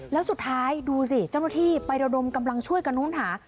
แล้วสุดท้ายดูสิเจ้าหน้าที่ไประดมกำลังช่วยกันนู้นหา